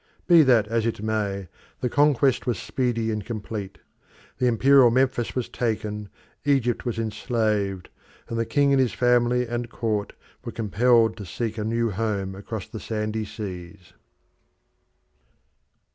Be that as it may, the conquest was speedy and complete; the imperial Memphis was taken, Egypt was enslaved, and the king and his family and court were compelled to seek a new home across the sandy seas.